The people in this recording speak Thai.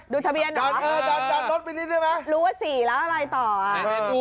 ดูทะเบียนหรอ